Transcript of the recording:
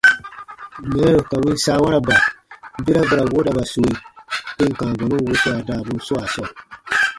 Mɛɛru ka win saawaraba, bera ba ra woodaba sue tem kãa bɔnun wuswaa daabun swaa sɔɔ.